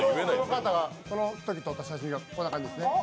そのとき撮った写真がこんな感じですね。